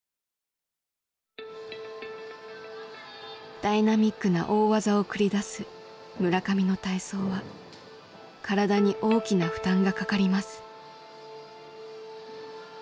ダイナミックな大技を繰り出す村上の体操は体に大きな負担がかかります。